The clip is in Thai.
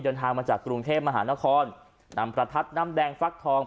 เดินทางมาจากกรุงเทพมหานครนำประทัดน้ำแดงฟักทอง